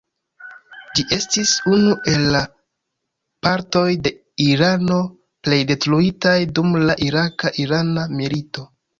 Ĝi estis unu el la partoj de Irano plej detruitaj dum la iraka-irana milito.